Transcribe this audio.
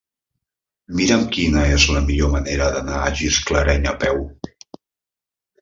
Mira'm quina és la millor manera d'anar a Gisclareny a peu.